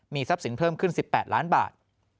ทรัพย์สินเพิ่มขึ้น๑๘ล้านบาท